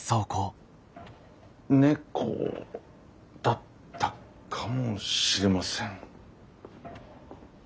猫だったかもしれません。